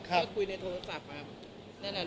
ก็คุยในโทรศัพท์ครับ